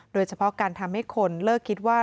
โดยเฉพาะการทำให้คนเลิกคิดว่า